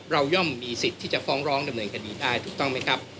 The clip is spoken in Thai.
เราย่อมมีสิทธิที่จะฟ้องร้องดำเนินคดีได้